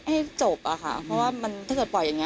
ให้จบค่ะเพราะว่าถ้าจะปล่อยอย่างนี้